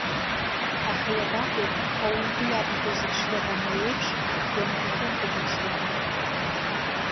Аха иабаҟоу, ауаҩ игәы иаҭаху зегьы шзыҟамло еиԥш, ианаҭахугьы дыԥсуам.